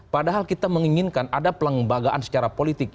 padahal kita menginginkan ada pelembagaan secara politik